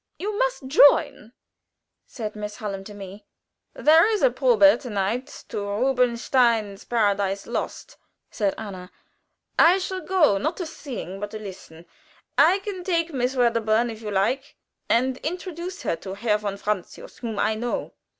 "You must join," said Miss Hallam to me. "There is a probe to night to Rubinstein's 'Paradise Lost,'" said Anna. "I shall go, not to sing, but to listen. I can take Miss Wedderburn, if you like, and introduce her to Herr von Francius, whom I know."